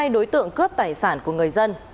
hai đối tượng cướp tài sản của người dân